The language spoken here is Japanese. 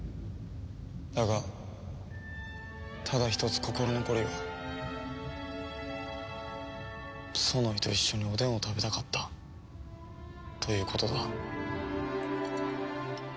だがただ一つ心残りはソノイと一緒におでんを食べたかったということだ。